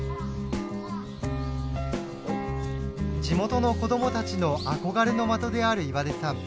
地元の子供たちの憧れの的である岩出さん。